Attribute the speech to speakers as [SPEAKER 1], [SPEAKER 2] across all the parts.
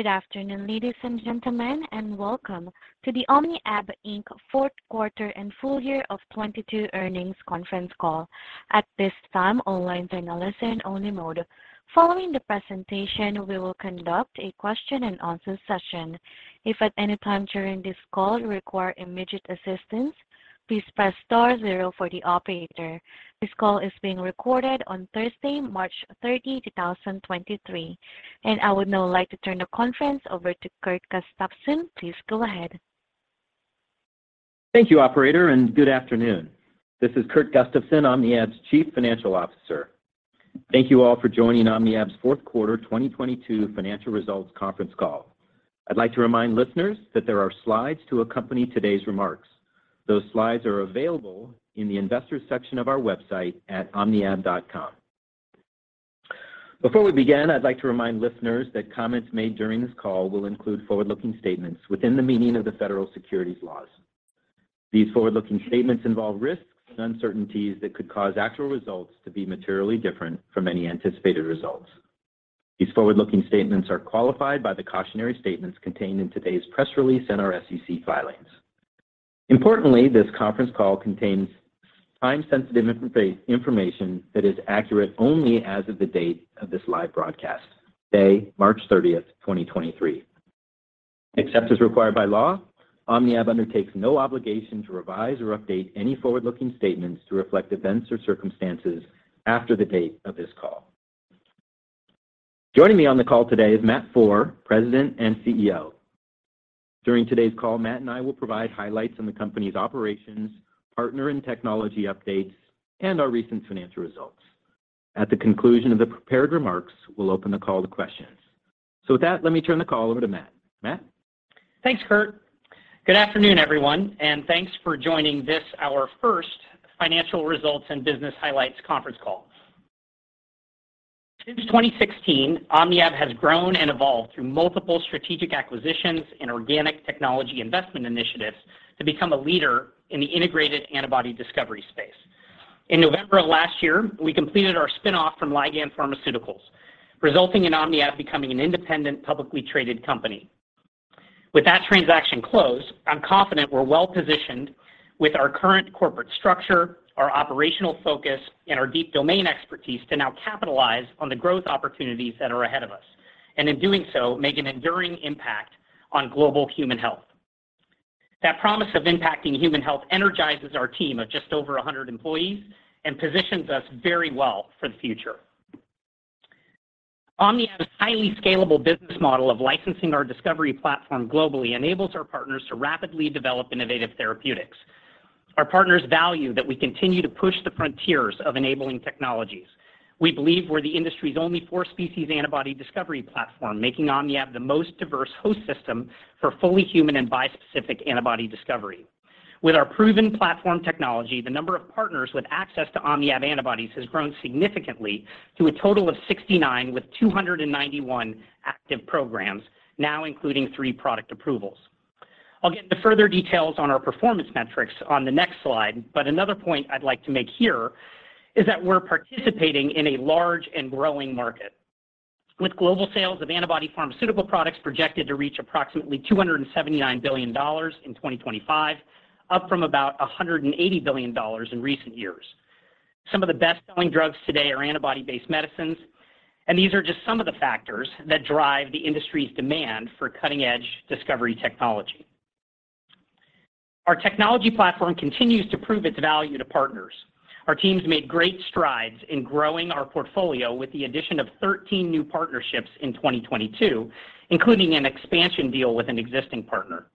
[SPEAKER 1] Good afternoon, ladies and gentlemen, and welcome to the OmniAb Inc. fourth quarter and full year of 2022 earnings conference call. At this time, all lines are in a listen-only mode. Following the presentation, we will conduct a question-and-answer session. If at any time during this call you require immediate assistance, please press star 0 for the operator. This call is being recorded on Thursday, March 30, 2023. I would now like to turn the conference over to Kurt Gustafson. Please go ahead.
[SPEAKER 2] Thank you, operator. Good afternoon. This is Kurt Gustafson, OmniAb's Chief Financial Officer. Thank you all for joining OmniAb's fourth quarter 2022 financial results conference call. I'd like to remind listeners that there are slides to accompany today's remarks. Those slides are available in the investors section of our website at omniab.com. Before we begin, I'd like to remind listeners that comments made during this call will include forward-looking statements within the meaning of the federal securities laws. These forward-looking statements involve risks and uncertainties that could cause actual results to be materially different from any anticipated results. These forward-looking statements are qualified by the cautionary statements contained in today's press release and our SEC filings. Importantly, this conference call contains time-sensitive information that is accurate only as of the date of this live broadcast, today, March 30th, 2023. Except as required by law, OmniAb undertakes no obligation to revise or update any forward-looking statements to reflect events or circumstances after the date of this call. Joining me on the call today is Matt Foehr, President and CEO. During today's call, Matt and I will provide highlights on the company's operations, partner and technology updates, and our recent financial results. At the conclusion of the prepared remarks, we will open the call to questions. With that, let me turn the call over to Matt. Matt?
[SPEAKER 3] Thanks, Kurt. Good afternoon, everyone. Thanks for joining this, our first financial results and business highlights conference call. Since 2016, OmniAb has grown and evolved through multiple strategic acquisitions and organic technology investment initiatives to become a leader in the integrated antibody discovery space. In November of last year, we completed our spin-off from Ligand Pharmaceuticals, resulting in OmniAb becoming an independent publicly traded company. With that transaction closed, I'm confident we're well-positioned with our cur rent corporate structure, our operational focus, and our deep domain expertise to now capitalize on the growth opportunities that are ahead of us. In doing so, make an enduring impact on global human health. That promise of impacting human health energizes our team of just over 100 employees and positions us very well for the future. OmniAb's highly scalable business model of licensing our discovery platform globally enables our partners to rapidly develop innovative therapeutics. Our partners value that we continue to push the frontiers of enabling technologies. We believe we're the industry's only four-species antibody discovery platform, making OmniAb the most diverse host system for fully human and bispecific antibody discovery. With our proven platform technology, the number of partners with access to OmniAb antibodies has grown significantly to a total of 69 with 291 active programs, now including 3 product approvals. Another point I'd like to make here is that we're participating in a large and growing market. With global sales of antibody pharmaceutical products projected to reach approximately $279 billion in 2025, up from about $180 billion in recent years. Some of the best-selling drugs today are antibody-based medicines. These are just some of the factors that drive the industry's demand for cutting-edge discovery technology. Our technology platform continues to prove its value to partners. Our teams made great strides in growing our portfolio with the addition of 13 new partnerships in 2022, including an expansion deal with an existing partner.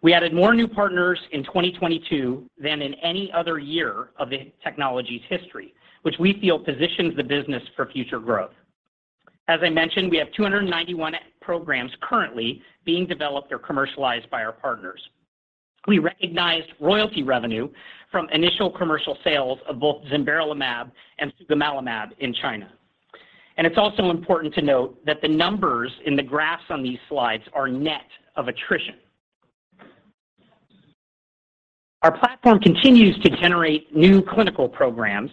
[SPEAKER 3] We added more new partners in 2022 than in any other year of the technology's history, which we feel positions the business for future growth. As I mentioned, we have 291 programs currently being developed or commercialized by our partners. We recognized royalty revenue from initial commercial sales of both zimberelimab and sugemalimab in China. It's also important to note that the numbers in the graphs on these slides are net of attrition. Our platform continues to generate new clinical programs,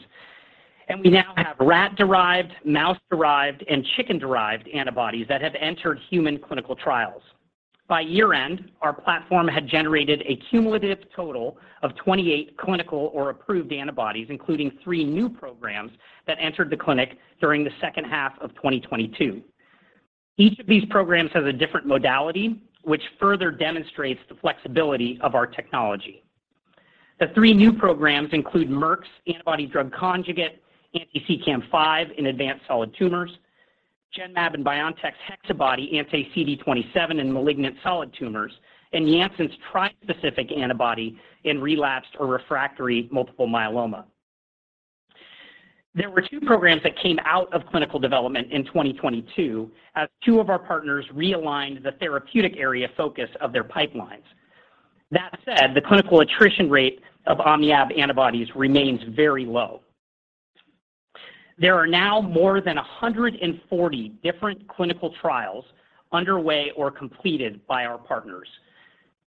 [SPEAKER 3] and we now have rat-derived, mouse-derived, and chicken-derived antibodies that have entered human clinical trials. By year-end, our platform had generated a cumulative total of 28 clinical or approved antibodies, including 3 new programs that entered the clinic during the second half of 2022. Each of these programs has a different modality, which further demonstrates the flexibility of our technology. The 3 new programs include Merck's antibody-drug conjugate, anti-CEACAM5 in advanced solid tumors, Genmab and BioNTech's HexaBody anti-CD27 in malignant solid tumors, and Janssen's trispecific antibody in relapsed or refractory multiple myeloma. There were 2 programs that came out of clinical development in 2022 as 2 of our partners realigned the therapeutic area focus of their pipelines. That said, the clinical attrition rate of OmniAb antibodies remains very low. There are now more than 140 different clinical trials underway or completed by our partners.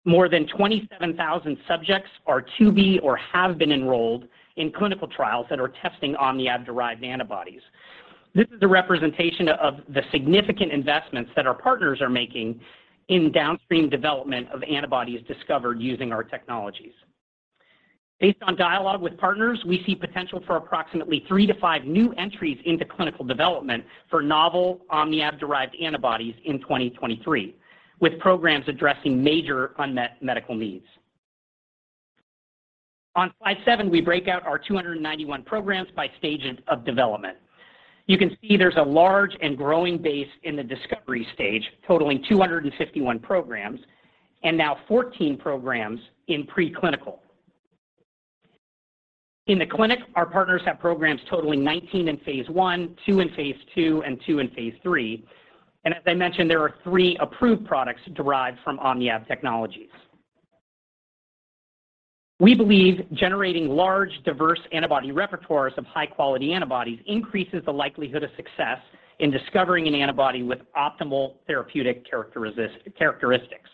[SPEAKER 3] More than 27,000 subjects are to be or have been enrolled in clinical trials that are testing OmniAb-derived antibodies. This is a representation of the significant invstments that our partners are making in downstream development of antib odies discovered using our technologies. Based on dialogue with partners, we see potential for approximately 3 to 5 new entries into clinical development for novel OmniAb-derived antibodies in 2023, with programs addressing major unmet medical needs. On slide 7, we break out our 291 programs by stages of development. You can see there's a large and growing base in the discovery stage, totaling 251 programs, and now 14 programs in preclinical. In the clinic, our partners have programs totaling 19 in phase 1, 2 in phase 2, and 2 in phase 3. As I mentioned, there are 3 approved products derived from OmniAb technologies. We believe generating large, diverse antibody repertoires of high-quality antibodies increases the likelihood of success in discovering an antibody with optimal therapeutic characteristics.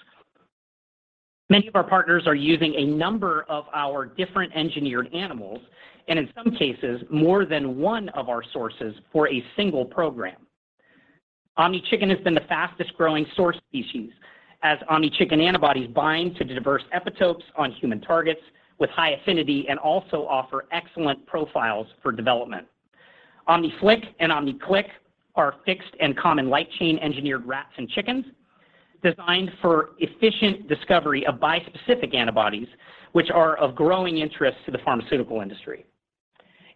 [SPEAKER 3] Many of our partners are using a number of our different engineered animals, and in some cases, more than one of our sources for a single program. OmniChicken has been the fastest-growing source species as OmniChicken antibodies bind to diverse epitopes on human targets with high affinity and also offer excellent profiles for development. OmniFlic and OmniClic are fixed and common light chain engineered rats and chickens designed for efficient discovery of bispecific antibodies, which are of growing interest to the pharmaceutical industry.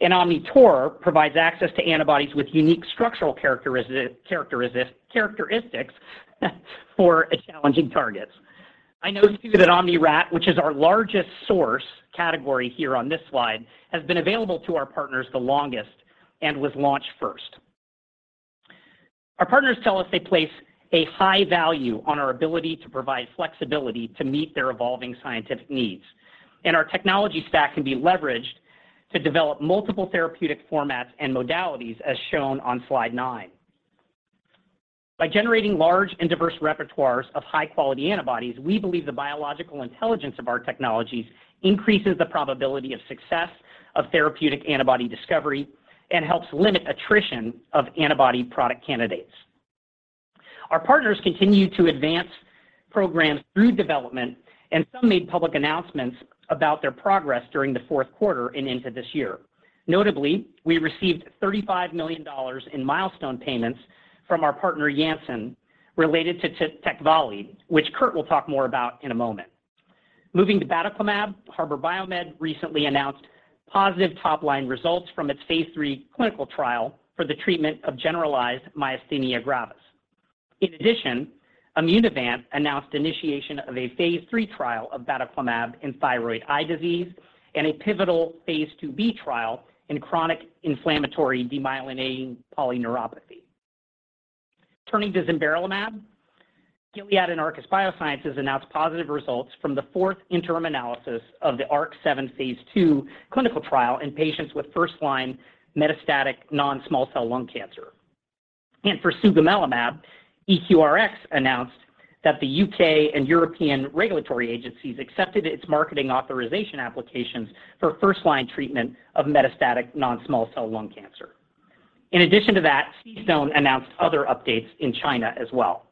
[SPEAKER 3] OmniTaur provides access to antibodies with unique structural characteristics for challenging targets. I note too that OmniRat, which is our largest source category here on this slide, has been available to our partners the longest and was launched first. Our partners tell us they place a high value on our ability to provide flexibility to meet their evolving scientific needs. Our technology stack can be leveraged to develop multiple therapeutic formats and modalities, as shown on slide 9. By generating large and diverse repertoires of high-quality antibodies, we believe the biological intelligence of our technologies increases the probability of success of therapeutic antibody discovery and helps limit attrition of antibody product candidates. Our partners continue to advance programs through development, some made public announcements about their progress during the fourth quarter and into this year. Notably, we received $35 million in milestone payments from our partner Janssen related to TECVAYLI, which Kurt will talk more about in a moment. Moving to batoclimab, Harbour BioMed recently announced positive top-line results from its phase 3 clinical trial for the treatment of generalized myasthenia gravis. Immunovant announced initiation of a phase 3 trial of batoclimab in thyroid eye disease and a pivotal phase 2B trial in chronic inflammatory demyelinating polyneuropathy. Turning to zimberelimab, Gilead and Arcus Biosciences announced positive results from the fourth interim analysis of the ARC-7 phase 2 clinical trial in patients with first-line metastatic non-small cell lung cancer. For Sugemalimab, EQRx announced that the UK and European regulatory agencies accepted its marketing authorization applications for first-line treatment of metastatic non-small cell lung cancer. In addition to that, CStone announced other updates in China as well.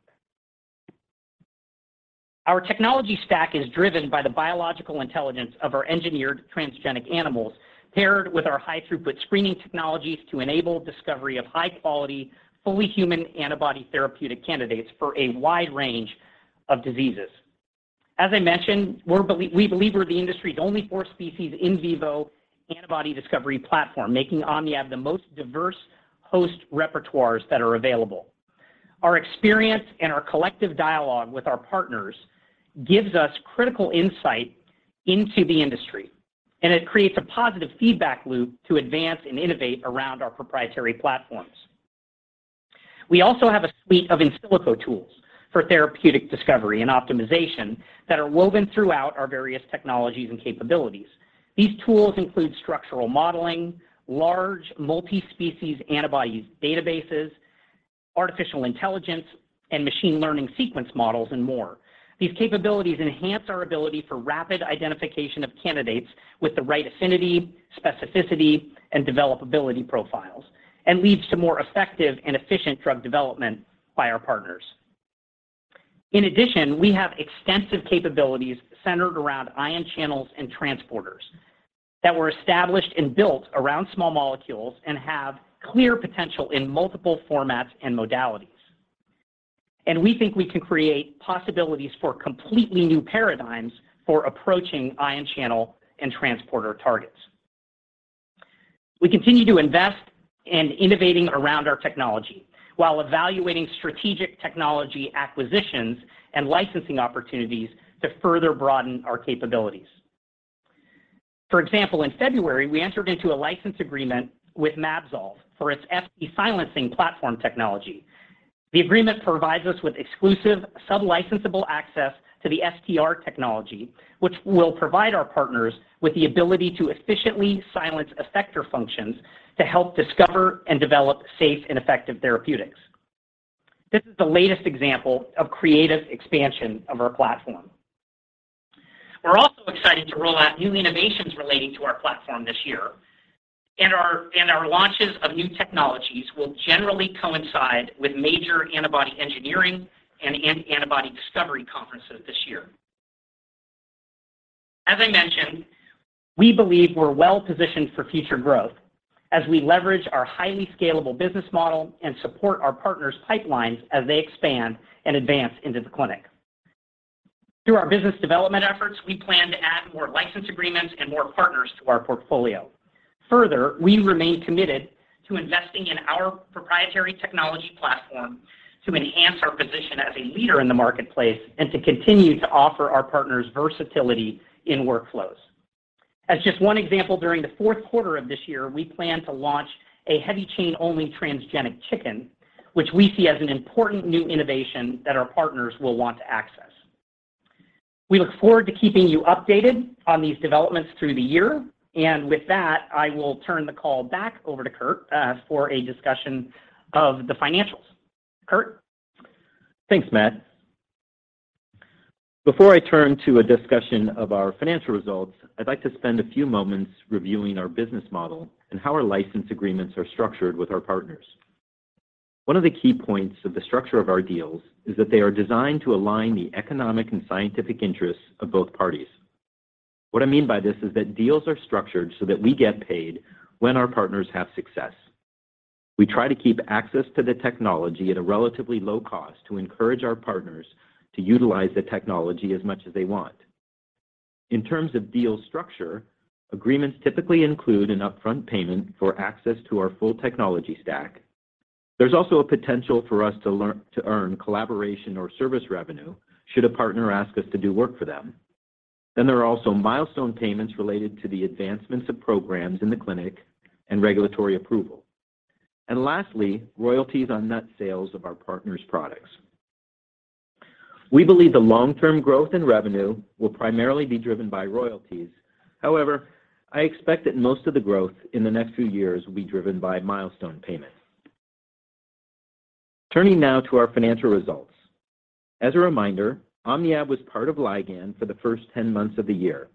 [SPEAKER 3] Our technology stack is driven by the biological intelligence of our engineered transgenic animals paired with our high-throughput screening technologies to enable discovery of high-quality, fully human antibody therapeutic candidates for a wide range of diseases. As I mentioned, we believe we're the industry's only four species in vivo antibody discovery platform, making OmniAb the most diverse host repertoires that are available. Our experience and our collective dialogue with our partners gives us critical insight into the industry, it creates a positive feedback loop to advance and innovate around our proprietary platforms. We also have a suite of in silico tools for therapeutic discovery and optimization that are woven throughout our various technologies and capabilities. These tools include structural modeling, large multi-species antibody databases, artificial intelligence, and machine learning sequence models, and more. These capabilities enhance our ability for rapid identification of candidates with the right affinity, specificity, and developability profiles, and leads to more effective and efficient drug development by our partners. In addition, we have extensive capabilities centered around ion channels and transporters that were established and built around small molecules and have clear potential in multiple formats and modalities. We think we can create possibilities for completely new paradigms for approaching ion channel and transporter targets. We continue to invest in innovating around our technology while evaluating strategic technology acquisitions and licensing opportunities to further broaden our capabilities. For example, in February, we entered into a license agreement with mAbsolve for its Fc silencing platform technology. The agreement provides us with exclusive sub-licensable access to the STR technology, which will provide our partners with the ability to efficiently silence effector functions to help discover and develop safe and effective therapeutics. This is the latest example of creative expansion of our platform. We're also excited to roll out new innovations relating to our platform this year, and our launches of new technologies will generally coincide with major antibody engineering and antibody discovery conferences this year. As I mentioned, we believe we're well-positioned for future growth as we leverage our highly scalable business model and support our partners' pipelines as they expand and advance into the clinic. Through our business development efforts, we plan to add more license agreements and more partners to our portfolio. Further, we remain committed to investing in our proprietary technology platform to enhance our position as a leader in the marketplace and to continue to offer our partners versatility in workflows. As just one example, during the fourth quarter of this year, we plan to launch a heavy chain-only transgenic chicken, which we see as an important new innovation that our partners will want to access. We look forward to keeping you updated on these developments through the year. With that, I will turn the call back over to Kurt for a discussion of the financials. Kurt?
[SPEAKER 2] Thanks, Matt. Before I turn to a discussion of our financial results, I'd like to spend a few moments reviewing our business model and how our license agreements are structured with our partners. One of the key points of the structure of our deals is that they are designed to align the economic and scientific interests of both parties. What I mean by this is that deals are structured so that we get paid when our partners have success. We try to keep access to the technology at a relatively low cost to encourage our partners to utilize the technology as much as they want. In terms of deal structure, agreements typically include an upfront payment for access to our full technology stack. There's also a potential for us to earn collaboration or service revenue should a partner ask us to do work for them. There are also milestone payments related to the advancements of programs in the clinic and regulatory approval. Lastly, royalties on net sales of our partners' products. We believe the long-term growth in revenue will primarily be driven by royalties. However, I expect that most of the growth in the next few years will be driven by milestone payments. Turning now to our financial results. As a reminder, OmniAb was part of Ligand for the first 10 months of the year,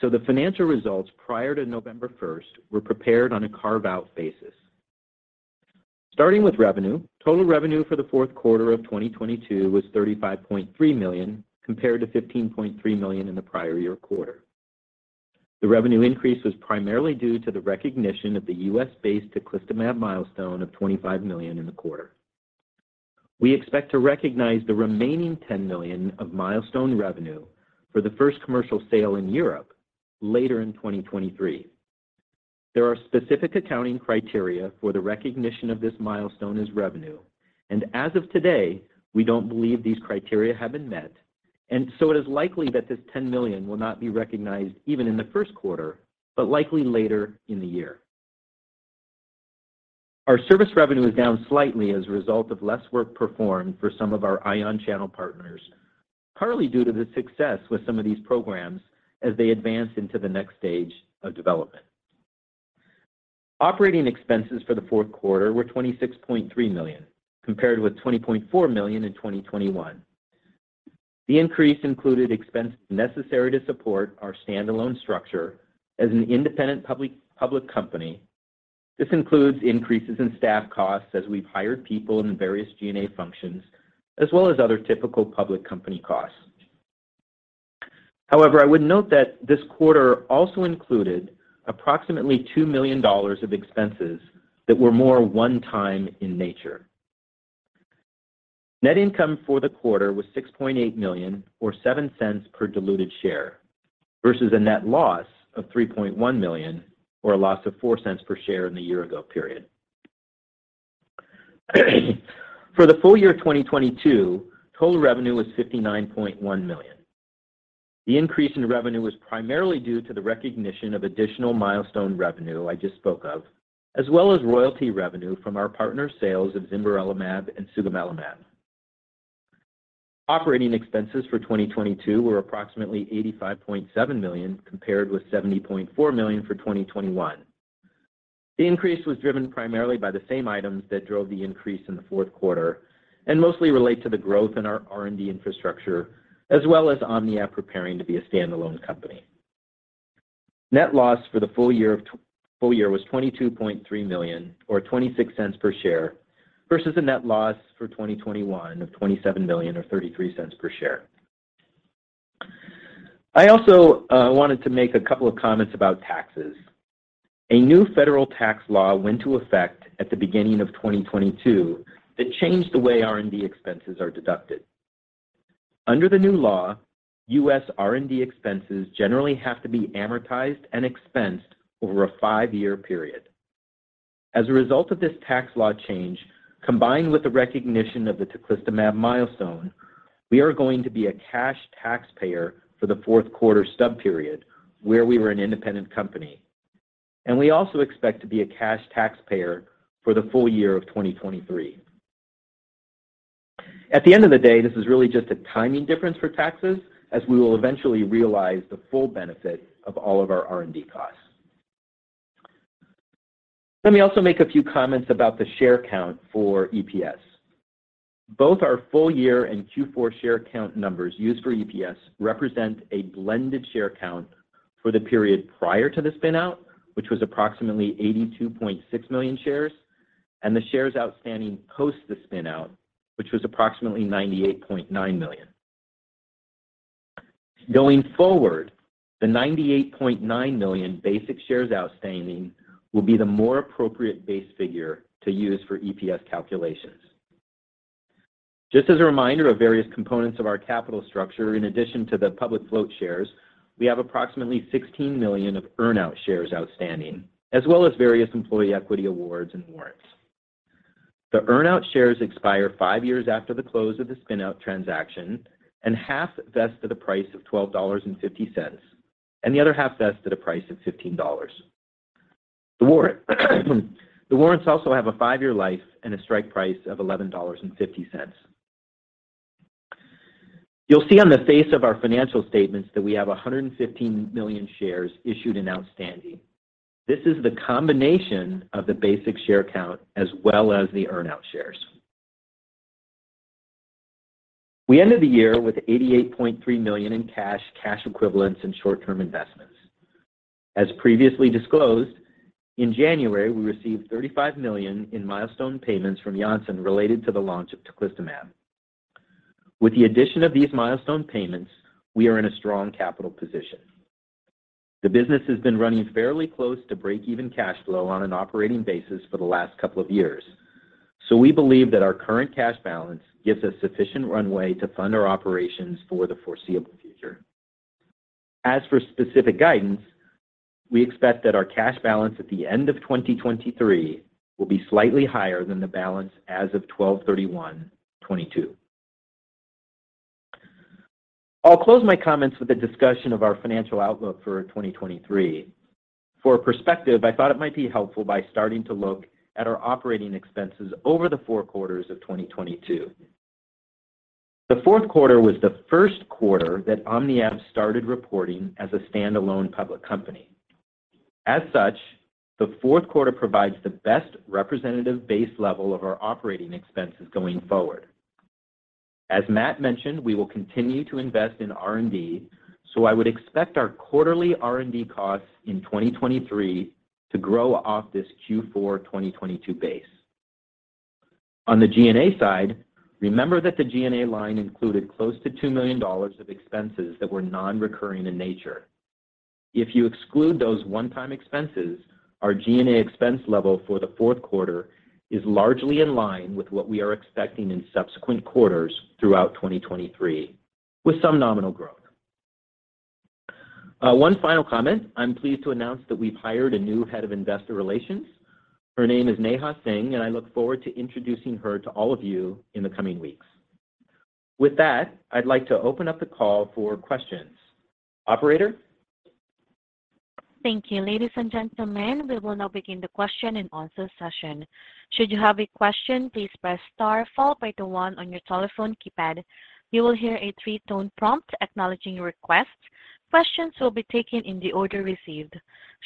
[SPEAKER 2] so the financial results prior to November 1st were prepared on a carve-out basis. Starting with revenue, total revenue for the fourth quarter of 2022 was $35.3 million, compared to $15.3 million in the prior year quarter. The revenue increase was primarily due to the recognition of the U.S.-based teclistamab milestone of $25 million in the quarter. We expect to recognize the remaining $10 million of milestone revenue for the first commercial sale in Europe later in 2023. There are specific accounting criteria for the recognition of this milestone as revenue. As of today, we don't believe these criteria have been met, so it is likely that this $10 million will not be recognized even in the first quarter, but likely later in the year. Our service revenue is down slightly as a result of less work performed for some of our ion channel partners, partly due to the success with some of these programs as they advance into the next stage of development. Operating expenses for the fourth quarter were $26.3 million, compared with $20.4 million in 2021. The increase included expenses necessary to support our standalone structure as an independent public company. This includes increases in staff costs as we've hired people in various G&A functions, as well as other typical public company costs. I would note that this quarter also included approximately $2 million of expenses that were more one-time in nature. Net income for the quarter was $6.8 million, or $0.07 per diluted share, versus a net loss of $3.1 million, or a loss of $0.04 per share in the year-ago period. For the full year of 2022, total revenue was $59.1 million. The increase in revenue was primarily due to the recognition of additional milestone revenue I just spoke of, as well as royalty revenue from our partners' sales of zimberelimab and sugemalimab. Operating expenses for 2022 were approximately $85.7 million, compared with $70.4 million for 2021. The increase was driven primarily by the same items that drove the increase in the fourth quarter and mostly relate to the growth in our R&D infrastructure, as well as OmniAb preparing to be a standalone company. Net loss for the full year was $22.3 million, or $0.26 per share, versus a net loss for 2021 of $27 million, or $0.33 per share. I also wanted to make a couple of comments about taxes. A new federal tax law went to effect at the beginning of 2022 that changed the way R&D expenses are deducted. Under the new law, US R&D expenses generally have to be amortized and expensed over a 5-year period. As a result of this tax law change, combined with the recognition of the teclistamab milestone, we are going to be a cash taxpayer for the fourth quarter stub period, where we were an independent company. We also expect to be a cash taxpayer for the full year of 2023. At the end of the day, this is really just a timing difference for taxes, as we will eventually realize the full benefit of all of our R&D costs. Let me also make a few comments about the share count for EPS. Both our full year and Q4 share count numbers used for EPS represent a blended share count for the period prior to the spin out, which was approximately 82.6 million shares, and the shares outstanding post the spin out, which was approximately 98.9 million. Going forward, the 98.9 million basic shares outstanding will be the more appropriate base figure to use for EPS calculations. Just as a reminder of various components of our capital structure, in addition to the public float shares, we have approximately 16 million of earn-out shares outstanding, as well as various employee equity awards and warrants. The earn-out shares expire five years after the close of the spin-out transaction, and half vests at a price of $12.50, and the other half vests at a price of $15. The warrants also have a five-year life and a strike price of $11.50. You'll see on the face of our financial statements that we have 115 million shares issued and outstanding. This is the combination of the basic share count as well as the earn-out shares. We ended the year with $88.3 million in cash equivalents, and short-term investments. Previously disclosed, in January, we received $35 million in milestone payments from Janssen related to the launch of teclistamab. With the addition of these milestone payments, we are in a strong capital position. The business has been running fairly close to breakeven cash flow on an operating basis for the last couple of years. We believe that our current cash balance gives us sufficient runway to fund our operations for the foreseeable future. As for specific guidance, we expect that our cash balance at the end of 2023 will be slightly higher than the balance as of 12/31/2022. I'll close my comments with a discussion of our financial outlook for 2023. For perspective, I thought it might be helpful by starting to look at our operating expenses over the four quarters of 2022. The fourth quarter was the first quarter that OmniAb started reporting as a standalone public company. As such, the fourth quarter provides the best representative base level of our operating expenses going forward. As Matt mentioned, we will continue to invest in R&D. I would expect our quarterly R&D costs in 2023 to grow off this Q4 2022 base. On the G&A side, remember that the G&A line included close to $2 million of expenses that were non-recurring in nature. If you exclude those one-time expenses, our G&A expense level for the fourth quarter is largely in line with what we are expecting in subsequent quarters throughout 2023, with some nominal growth. One final comment. I'm pleased to announce that we've hired a new head of investor relations. Her name is Neha Singh, and I look forward to introducing her to all of you in the coming weeks. With that, I'd like to open up the call for questions. Operator?
[SPEAKER 1] Thank you. Ladies and gentlemen, we will now begin the question and answer session. Should you have a question, please press star followed by the 1 on your telephone keypad. You will hear a 3-tone prompt acknowledging your request. Questions will be taken in the order received.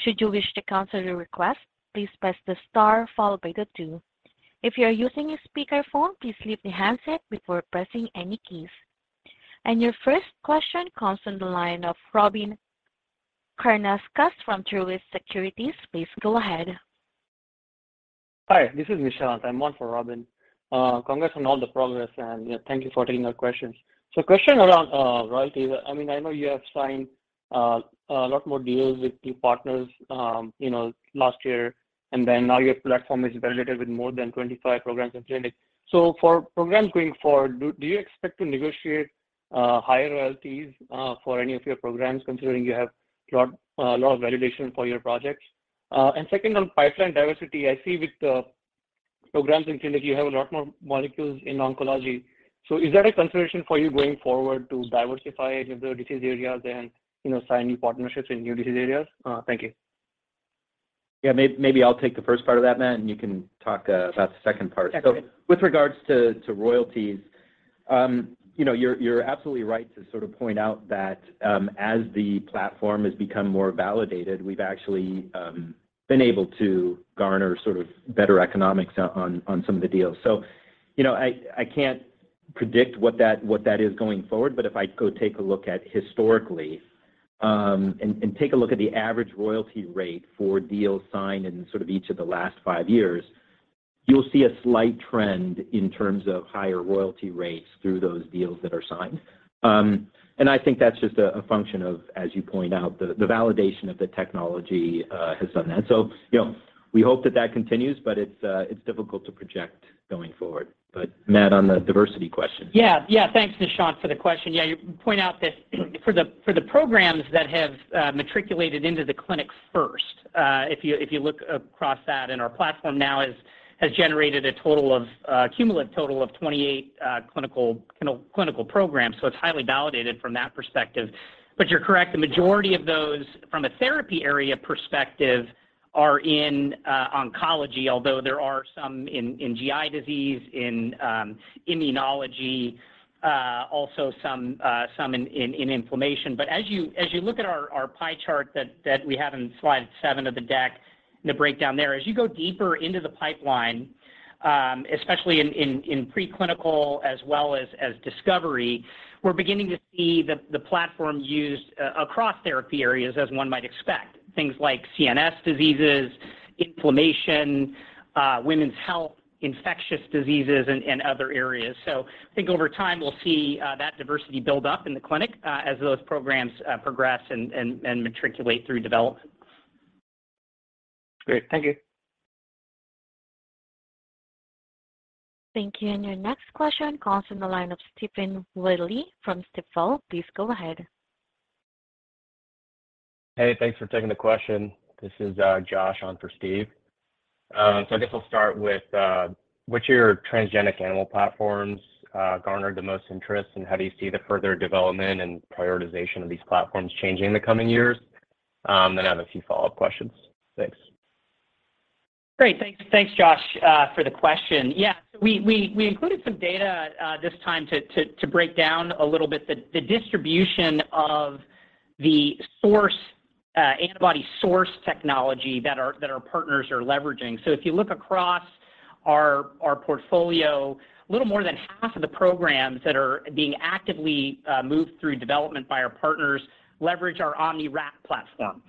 [SPEAKER 1] Should you wish to cancel your request, please press the star followed by the 2. If you're using a speakerphone, please leave the handset before pressing any keys. Your 1st question comes from the line of Robyn Karnauskas from Truist Securities. Please go ahead.
[SPEAKER 4] Hi this is Nishant on for Robyn. Congrats on all the progress and, yeah, thank you for taking our questions. Question around royalties. I mean, I know you have signed a lot more deals with new partners, you know, last year, and then now your platform is validated with more than 25 programs in clinic. For programs going forward, do you expect to negotiate higher royalties for any of your programs considering you have a lot of validation for your projects? Second, on pipeline diversity, I see with the programs in clinic, you have a lot more molecules in oncology. Is that a consideration for you going forward to diversify into the disease areas and, you know, sign new partnerships in new disease areas? Thank you.
[SPEAKER 2] Maybe I'll take the first part of that, Matt, and you can talk about the second part.
[SPEAKER 3] Sure.
[SPEAKER 2] With regards to royalties, you know, you're absolutely right to sort of point out that, as the platform has become more validated, we've actually been able to garner sort of better economics on some of the deals. You know, I can't predict what that is going forward, but if I go take a look at historically, and take a look at the average royalty rate for deals signed in sort of each of the last five years, you'll see a slight trend in terms of higher royalty rates through those deals that are signed. I think that's just a function of, as you point out, the validation of the technology has done that. You know, we hope that that continues, but it's difficult to project going forward. Matt, on the diversity question.
[SPEAKER 3] Yeah. Thanks, Nishant, for the question. Yeah. You point out that for the programs that have matriculated into the clinics first, if you look across that, our platform now has generated a total of a cumulative total of 28 clinical programs, so it's highly validated from that perspective. You're correct. The majority of those from a therapy area perspective are in oncology, although there are some in GI disease, in immunology, also some in inflammation. As you look at our pie chart that we have in slide 7 of the deck, the breakdown there. As you go deeper into the pipeline, especially in preclinical as well as discovery, we're beginning to see the platform used across therapy areas as one might expect. Things like CNS diseases, inflammation, women's health, infectious diseases and other areas. I think over time, we'll see that diversity build up in the clinic as those programs progress and matriculate through development.
[SPEAKER 4] Great. Thank you.
[SPEAKER 1] Thank you. Your next question comes from the line of Stephen Willey from Stifel. Please go ahead.
[SPEAKER 5] Thanks for taking the question. This is Josh on for Steve. I guess I'll start with which of your transgenic animal platforms garnered the most interest, and how do you see the further development and prioritization of these platforms changing in the coming years? I have a few follow-up questions. Thanks.
[SPEAKER 3] Great. Thanks, thanks Josh, for the question. Yeah. We included some data this time to break down a little bit the distribution of the source antibody source technology that our partners are leveraging. If you look across our portfolio, a little more than half of the programs that are being actively moved through development by our partners leverage our OmniRat platform.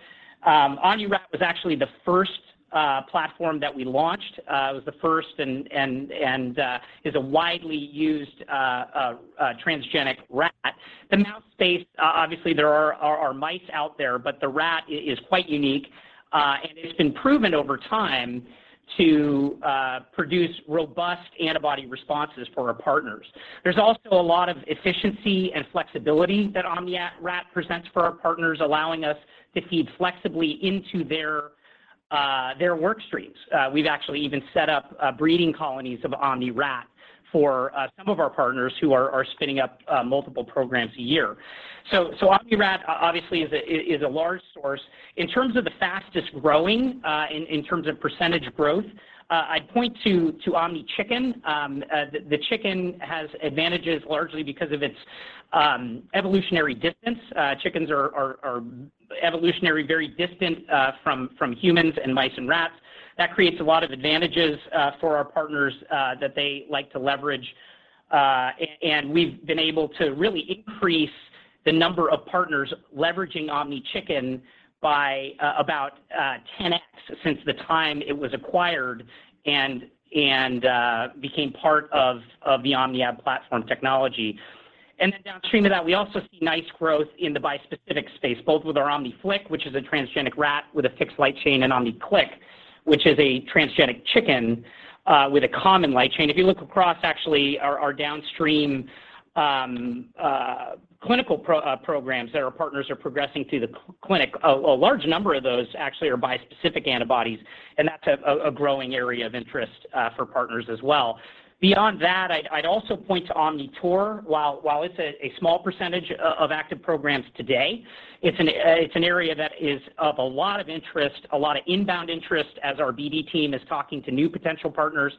[SPEAKER 3] OmniRat was actually the first platform that we launched. It was the first and is a widely used transgenic rat. The mouse space, obviously there are mice out there, but the rat is quite unique and it's been proven over time to produce robust antibody responses for our partners. There's also a lot of efficiency and flexibility that OmniRat presents for our partners, allowing us to feed flexibly into their work streams. We've actually even set up breeding colonies of OmniRat for some of our partners who are spinning up multiple programs a year. OmniRat obviously is a large source. In terms of the fastest growing in terms of percentage growth, I'd point to OmniChicken. The chicken has advantages largely because of its evolutionary distance. Chickens are evolutionary very distant from humans and mice and rats. That creates a lot of advantages for our partners that they like to leverage. And we've been able to really increase the number of partners leveraging OmniChicken by about 10x since the time it was acquired and became part of the OmniAb platform technology. Then downstream to that, we also see nice growth in the bispecific space, both with our OmniFlic, which is a transgenic rat with a fixed light chain, and OmniClic, which is a transgenic chicken with a common light chain. If you look across actually our downstream clinical programs that our partners are progressing through the clinic, a large number of those actually are bispecific antibodies, and that's a growing area of interest for partners as well. Beyond that, I'd also point to OmniTaur. While it's a small % of active programs today, it's an area that is of a lot of interest, a lot of inbound interest as our BD team is talking to new potential partners,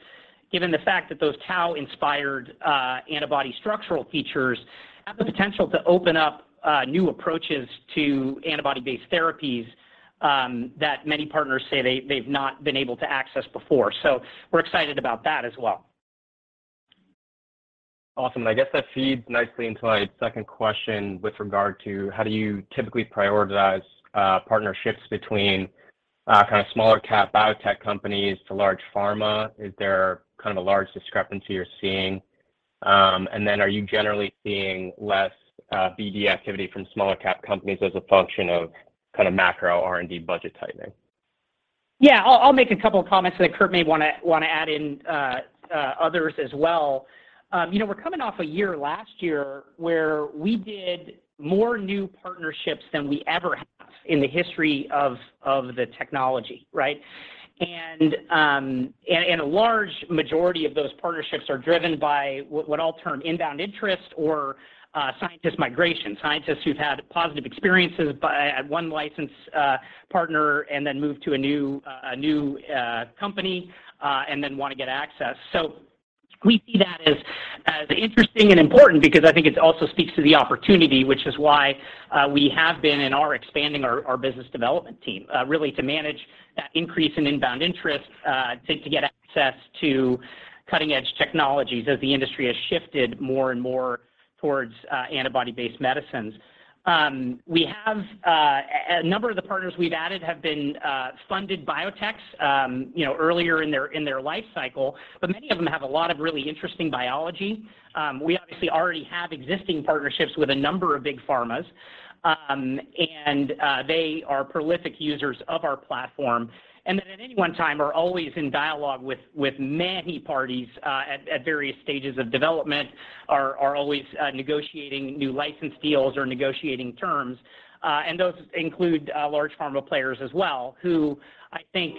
[SPEAKER 3] given the fact that those Taur-inspired antibody structural features have the potential to open up new approaches to antibody-based therapies that many partners say they've not been able to access before. We're excited about that as well.
[SPEAKER 5] Awesome. I guess that feeds nicely into my second question with regard to how do you typically prioritize partnerships between kind of smaller cap biotech companies to large pharma? Is there kind of a large discrepancy you're seeing? Then are you generally seeing less BD activity from smaller cap companies as a function of kind of macro R&D budget tightening?
[SPEAKER 3] Yeah. I'll make a couple of comments, and then Kurt may wanna add in others as well. You know, we're coming off a year last year where we did more new partnerships than we ever have in the history of the technology, right? A large majority of those partnerships are driven by what I'll term inbound interest or scientist migration, scientists who've had positive experiences at one licensed partner and then moved to a new, a new company, and then wanna get access. We see that as interesting and important because I think it also speaks to the opportunity, which is why we have been and are expanding our business development team really to manage that increase in inbound interest to get access to cutting-edge technologies as the industry has shifted more and more towards antibody-based medicines. We have a number of the partners we've added have been funded biotechs, you know, earlier in their life cycle, but many of them have a lot of really interesting biology. We obviously already have existing partnerships with a number of big pharmas, and they are prolific users of our platform. At any one time are always in dialogue with many parties, at various stages of development, always negotiating new license deals or negotiating terms. Those include large pharma players as well, who I think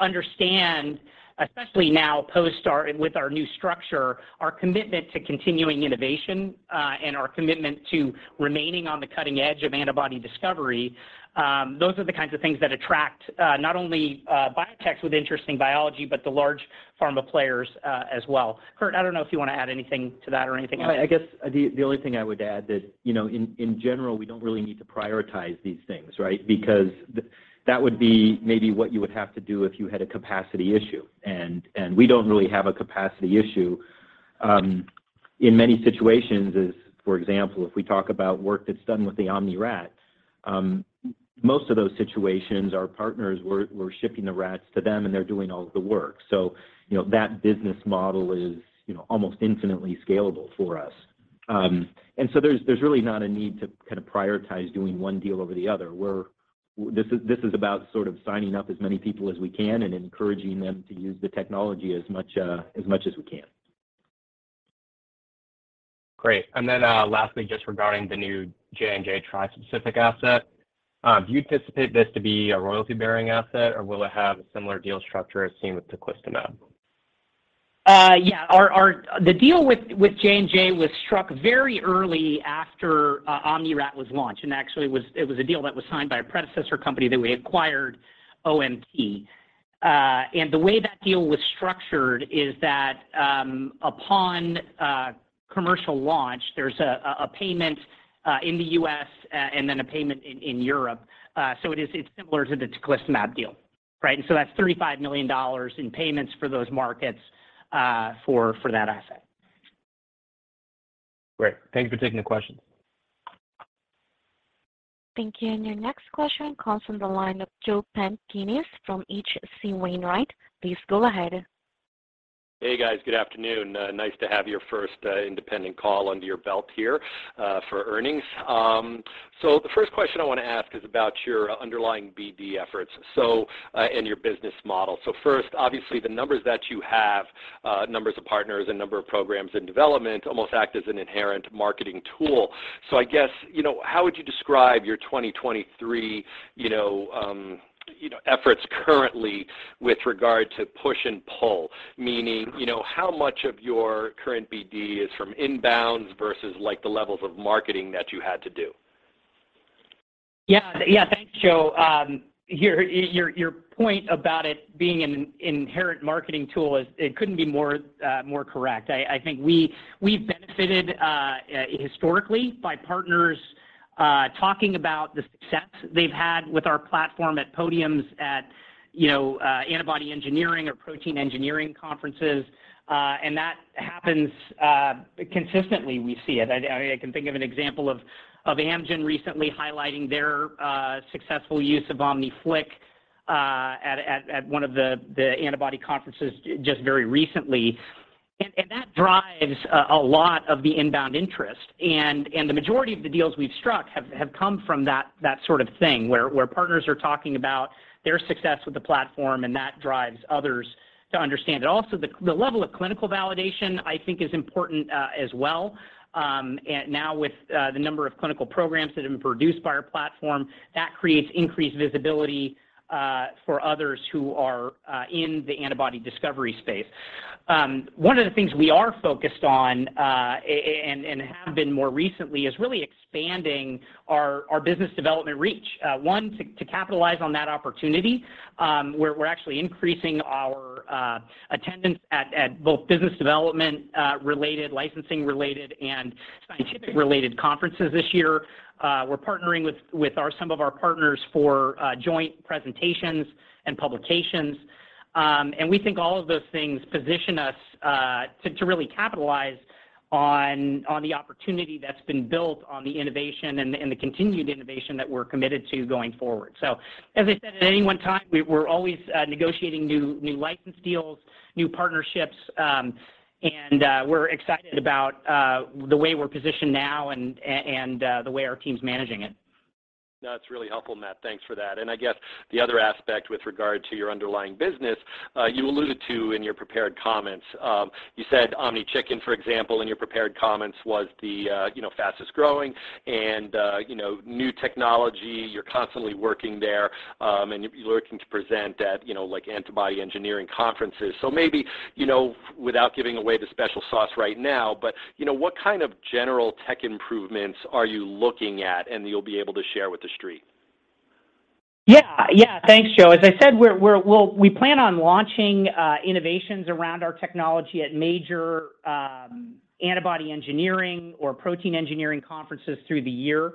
[SPEAKER 3] understand, especially now post with our new structure, our commitment to continuing innovation, and our commitment to remaining on the cutting edge of antibody discovery. Those are the kinds of things that attract not only biotechs with interesting biology, but the large pharma players as well. Kurt, I don't know if you wanna add anything to that or anything else?
[SPEAKER 2] I guess the only thing I would add that, you know, in general, we don't really need to prioritize these things, right? Because that would be maybe what you would have to do if you had a capacity issue. We don't really have a capacity issue. In many situations is, for example, if we talk about work that's done with the OmniRat, most of those situations our partners we're shipping the rats to them, and they're doing all of the work. You know, that business model is, you know, almost infinitely scalable for us. There's really not a need to kind of prioritize doing one deal over the other. This is about sort of signing up as many people as we can and encouraging them to use the technology as much as we can.
[SPEAKER 5] Great. Lastly, just regarding the new J&J tri-specific asset, do you anticipate this to be a royalty-bearing asset or will it have a similar deal structure as seen with teclistamab?
[SPEAKER 3] Yeah. The deal with J&J was struck very early after OmniRat was launched and actually it was a deal that was signed by a predecessor company that we acquired, OMT. The way that deal was structured is that upon commercial launch, there's a payment in the U.S. and then a payment in Europe. It's similar to the teclistamab deal, right? That's $35 million in payments for those markets for that asset.
[SPEAKER 5] Great. Thank you for taking the question.
[SPEAKER 1] Thank you. Your next question comes from the line of Joseph Pantginis from H.C. Wainwright & Co. Please go ahead.
[SPEAKER 6] Hey, guys. Good afternoon. Nice to have your first, independent call under your belt here for earnings. The first question I wanna ask is about your underlying BD efforts. Your business model. First, obviously the numbers that you have, numbers of partners and number of programs in development almost act as an inherent marketing tool. I guess, you know, how would you describe your 2023, you know, you know, efforts currently with regard to push and pull, meaning, you know, how much of your current BD is from inbounds versus like the levels of marketing that you had to do?
[SPEAKER 3] Yeah. Yeah. Thanks, Joe. Your point about it being an inherent marketing tool is it couldn't be more correct. I think we've benefited historically by partners talking about the success they've had with our platform at podiums at, you know, antibody engineering or protein engineering conferences. That happens consistently, we see it. I can think of an example of Amgen recently highlighting their successful use of OmniFlic at one of the antibody conferences just very recently. That drives a lot of the inbound interest. The majority of the deals we've struck have come from that sort of thing where partners are talking about their success with the platform, and that drives others to understand it. Also, the level of clinical validation I think is important as well. Now with the number of clinical programs that have been produced by our platform, that creates increased visibility for others who are in the antibody discovery space. One of the things we are focused on and have been more recently is really expanding our business development reach. One, to capitalize on that opportunity, we're actually increasing our attendance at both business development related, licensing related and scientific related conferences this year. We're partnering with some of our partners for joint presentations and publications. We think all of those things position us to really capitalize on the opportunity that's been built on the innovation and the continued innovation that we're committed to going forward. As I said, at any one time, we're always negotiating new license deals, new partnerships, and we're excited about the way we're positioned now and the way our team's managing it.
[SPEAKER 6] That's really helpful, Matt. Thanks for that. I guess the other aspect with regard to your underlying business, you alluded to in your prepared comments, you said OmniChicken, for example, in your prepared comments was the, you know, fastest growing and, you know, new technology, you're constantly working there, and you'll be looking to present at, you know, like antibody engineering conferences. Maybe, you know, without giving away the special sauce right now, but you know, what kind of general tech improvements are you looking at and you'll be able to share with The Street?
[SPEAKER 3] Yeah. Yeah. Thanks, Joe. As I said, we plan on launching innovations around our technology at major antibody engineering or protein engineering conferences through the year.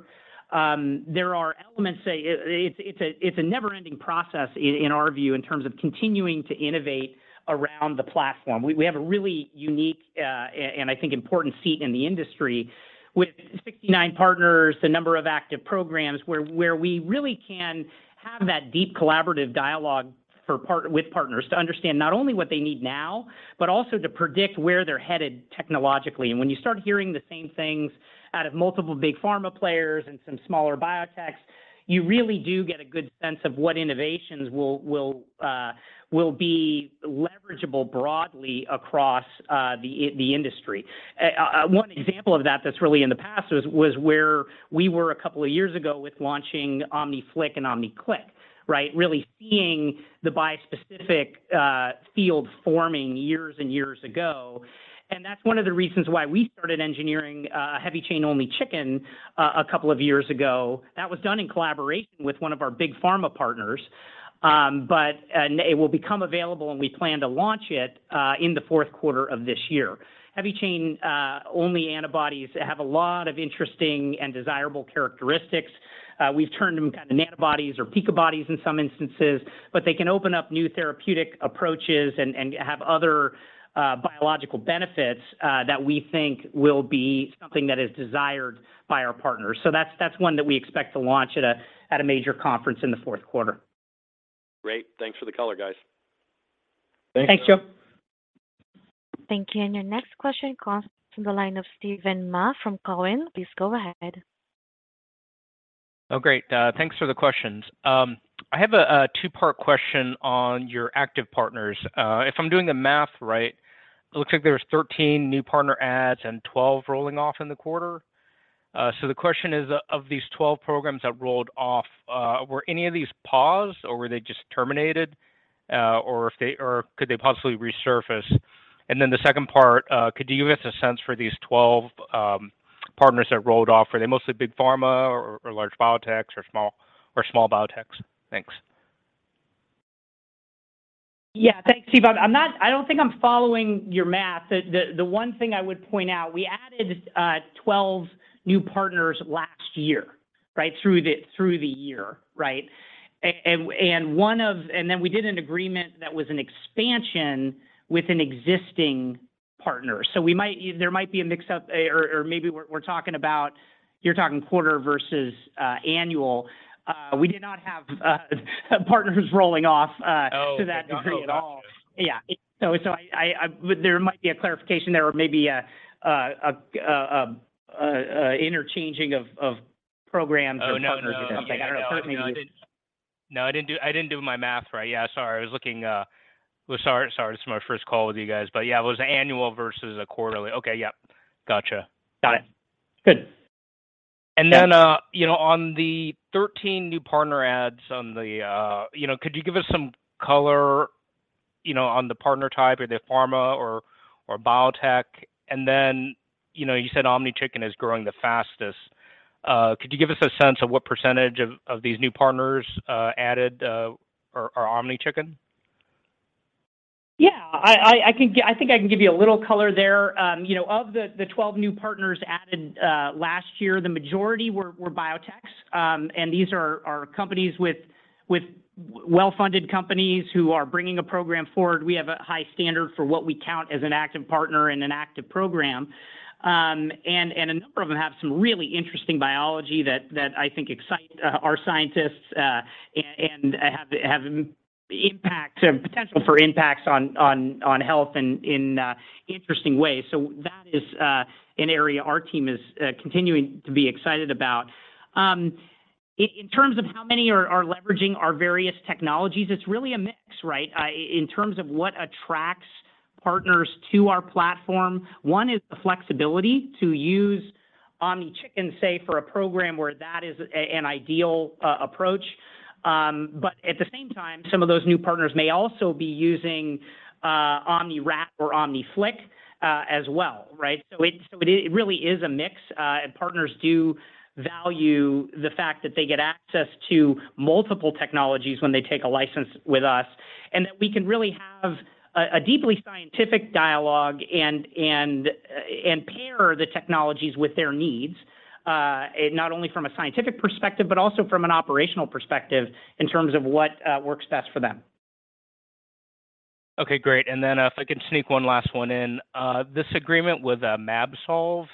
[SPEAKER 3] There are elements that it's a never-ending process in our view, in terms of continuing to innovate around the platform. We have a really unique and I think important seat in the industry with 69 partners, the number of active programs where we really can have that deep collaborative dialogue with partners to understand not only what they need now, but also to predict where they're headed technologically. When you start hearing the same things out of multiple big pharma players and some smaller biotechs, you really do get a good sense of what innovations will be leverageable broadly across the industry. One example of that that's really in the past was where we were a couple of years ago with launching OmniFlic and OmniClic, right? Really seeing the bispecific field forming years and years ago, and that's one of the reasons why we started engineering a heavy chain only chicken a couple of years ago. That was done in collaboration with one of our big pharma partners. It will become available and we plan to launch it in the fourth quarter of this year. Heavy chain only antibodies have a lot of interesting and desirable characteristics. We've turned them kind of nanobodies or picobodies in some instances, but they can open up new therapeutic approaches and have other biological benefits that we think will be something that is desired by our partners. That's one that we expect to launch at a major conference in the fourth quarter.
[SPEAKER 7] Great. Thanks for the color, guys.
[SPEAKER 3] Thanks.
[SPEAKER 8] Thanks, Joe.
[SPEAKER 1] Thank you. Your next question comes from the line of Steven Mah from Cowen. Please go ahead.
[SPEAKER 7] Great. Thanks for the questions. I have a two-part question on your active partners. If I'm doing the math right, it looks like there was 13 new partner adds and 12 rolling off in the quarter. The question is, of these 12 programs that rolled off, were any of these paused, or were they just terminated? Or could they possibly resurface? The second part, could you give us a sense for these 12 partners that rolled off, were they mostly big pharma or large biotechs or small biotechs? Thanks.
[SPEAKER 3] Yeah. Thanks, Steve. I'm not, I don't think I'm following your math. The one thing I would point out, we added 12 new partners last year, right? Through the year, right? Then we did an agreement that was an expansion with an existing partner. There might be a mix-up, or maybe we're talking about... You're talking quarter versus annual. We did not have partners rolling off to that degree at all.
[SPEAKER 7] Oh, okay. Gotcha.
[SPEAKER 3] I. There might be a clarification there or maybe a interchanging of programs or partners or something. I don't know.
[SPEAKER 7] Oh, no. Yeah, no, I didn't. No, I didn't do my math right. Yeah, sorry. I was looking. Sorry, this is my first call with you guys. Yeah, it was annual versus a quarterly. Okay. Yeah, gotcha.
[SPEAKER 3] Got it. Good.
[SPEAKER 7] You know, you know, on the 13 new partner adds on the, You know, could you give us some color, you know, on the partner type? Are they pharma or biotech? You know, you said OmniChicken is growing the fastest. could you give us a sense of what% of these new partners, added, are OmniChicken?
[SPEAKER 3] Yeah. I think I can give you a little color there. you know, of the 12 new partners added last year, the majority were biotechs. These are companies with well-funded companies who are bringing a program forward. We have a high standard for what we count as an active partner and an active program. a number of them have some really interesting biology that I think excite our scientists and have impact, potential for impacts on health in interesting ways. That is an area our team is continuing to be excited about. In terms of how many are leveraging our various technologies, it's really a mix, right? In terms of what attracts partners to our platform, one is the flexibility to use OmniChicken, say, for a program where that is an ideal approach. At the same time, some of those new partners may also be using OmniRat or OmniFlic as well, right? It really is a mix. Partners do value the fact that they get access to multiple technologies when they take a license with us, and that we can really have a deeply scientific dialogue and pair the technologies with their needs, not only from a scientific perspective but also from an operational perspective in terms of what works best for them.
[SPEAKER 7] Okay, great. If I can sneak one last one in. This agreement with mAbsolve,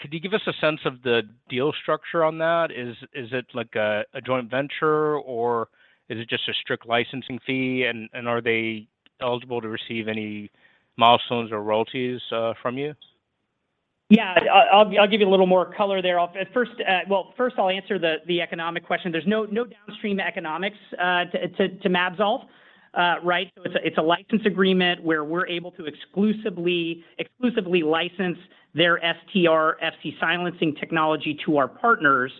[SPEAKER 7] could you give us a sense of the deal structure on that? Is it like a joint venture, or is it just a strict licensing fee? Are they eligible to receive any milestones or royalties from you?
[SPEAKER 3] Yeah. I'll give you a little more color there. Well, first I'll answer the economic question. There's no downstream economics to mAbsolve, right? It's a license agreement where we're able to exclusively license their STR Fc silencing technology to our partners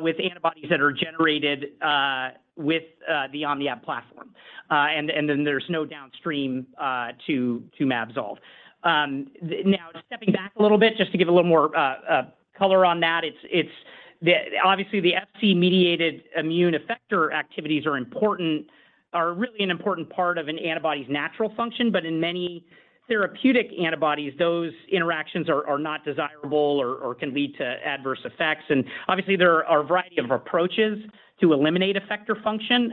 [SPEAKER 3] with antibodies that are generated with the OmniAb platform. Then there's no downstream to mAbsolve. Now stepping back a little bit just to give a little more color on that. Obviously, the Fc-mediated immune effector activities are important, are really an important part of an antibody's natural function. In many therapeutic antibodies, those interactions are not desirable or can lead to adverse effects. Obviously there are a variety of approaches to eliminate effector function,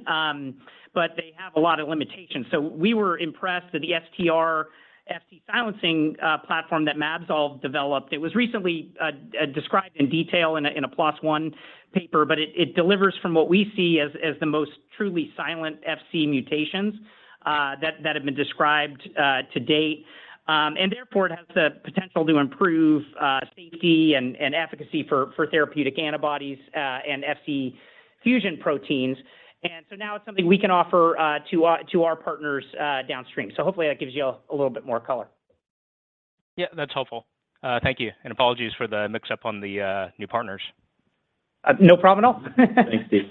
[SPEAKER 3] but they have a lot of limitations. We were impressed with the STR Fc silencing platform that mAbsolve developed. It was recently described in detail in a PLOS ONE paper, but it delivers from what we see as the most truly silent Fc mutations that have been described to date. Therefore it has the potential to improve safety and efficacy for therapeutic antibodies and Fc fusion proteins. Now it's something we can offer to our partners downstream. Hopefully that gives you a little bit more color.
[SPEAKER 7] Yeah, that's helpful. Thank you. Apologies for the mix-up on the new partners.
[SPEAKER 3] No problem at all.
[SPEAKER 7] Thanks, Steve.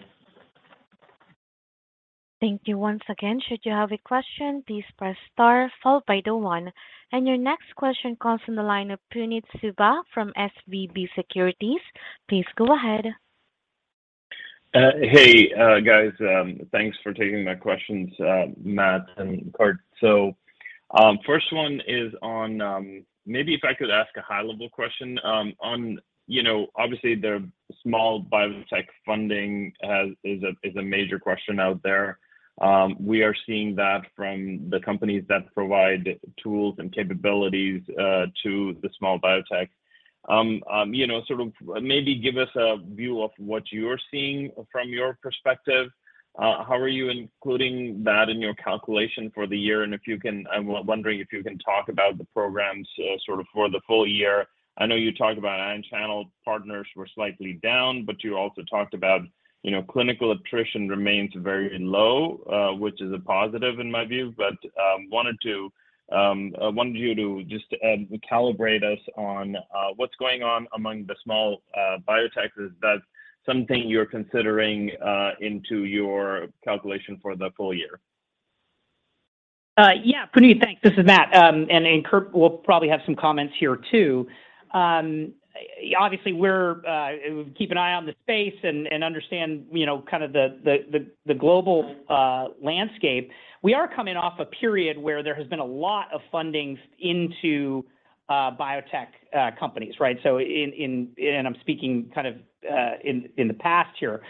[SPEAKER 1] Thank you once again. Should you have a question, please press star followed by the one. Your next question comes from the line of Puneet Souda from SVB Securities. Please go ahead.
[SPEAKER 9] Thanks for taking my questions, Matt Foehr and Kurt Gustafson. First one is on, maybe if I could ask a high-level question, on, you know, obviously the small biotech funding is a major question out there. We are seeing that from the companies that provide tools and capabilities to the small biotech. You know, sort of maybe give us a view of what you're seeing from your perspective. How are you including that in your calculation for the year? If you can, I'm wondering if you can talk about the programs, sort of for the full year. I know you talked about ion channel partners were slightly down, but you also talked about, you know, clinical attrition remains very low, which is a positive in my view. wanted you to just calibrate us on what's going on among the small biotechs. Is that something you're considering into your calculation for the full year?
[SPEAKER 3] Yeah, Puneet, thanks. This is Matt, Kurt will probably have some comments here too. Obviously we're, keep an eye on the space and understand, you know, kind of the global landscape. We are coming off a period where there has been a lot of funding into biotech companies, right? I'm speaking kind of in the past here.